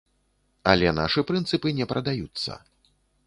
Але нашы прынцыпы не прадаюцца.